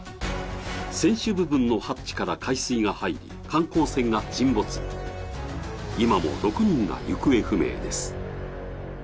船首部分のハッチから海水が入り観光船が沈没、今も６人が行方不明です。